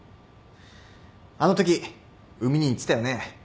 あのとき海兄言ってたよね。